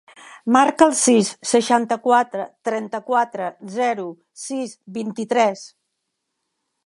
Marca el sis, seixanta-quatre, trenta-quatre, zero, sis, vint-i-tres.